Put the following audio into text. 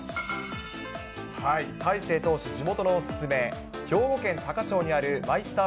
大勢投手、お勧め、兵庫県多可町にあるマイスター